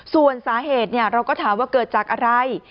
ส่วนสาเหตุเราก็ถามว่าเกิดจากอะไร